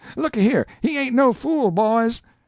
Looky here he ain't no fool, boys."